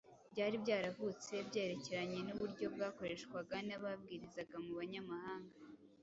byari byaravutse byerekeranye n’uburyo bwakoreshwaga n’ababwirizaga mu banyamahanga.